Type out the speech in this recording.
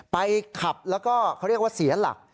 ไปขับแล้วก็เขาเรียกว่าเสียหลัก